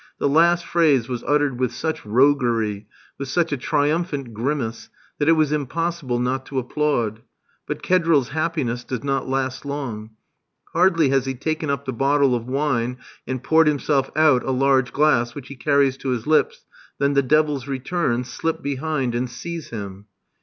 The last phrase was uttered with such roguery, with such a triumphant grimace, that it was impossible not to applaud. But Kedril's happiness does not last long. Hardly has he taken up the bottle of wine, and poured himself out a large glass, which he carries to his lips, than the devils return, slip behind, and seize him.